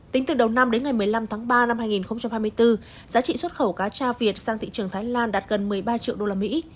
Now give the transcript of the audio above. tính từ đầu năm đến ngày một mươi năm tháng ba năm hai nghìn hai mươi bốn giá trị xuất khẩu cá tra việt sang thị trường thái lan đạt gần một mươi ba triệu đô la mỹ